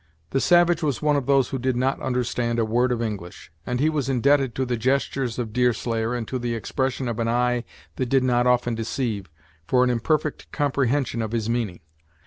The savage was one of those who did not understand a word of English, and he was indebted to the gestures of Deerslayer, and to the expression of an eye that did not often deceive, for an imperfect comprehension of his meaning.